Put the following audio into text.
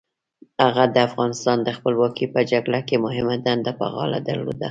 هغه د افغانستان د خپلواکۍ په جګړه کې مهمه دنده په غاړه درلوده.